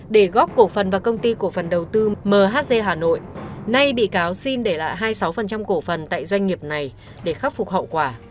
để góp cổ phần vào công ty cổ phần đầu tư mhz hà nội nay bị cáo xin để lại hai mươi sáu cổ phần tại doanh nghiệp này để khắc phục hậu quả